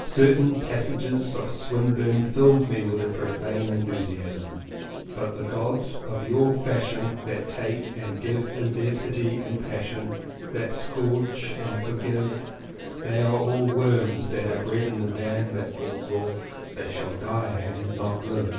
Certain passages of Swinburne filled me with a profane en thusiasm: "But the Gods of your fashion That take and that give In their pity and passion That scourge and forgive They are worms that are bred in the bank that falls off; They shall die and not live."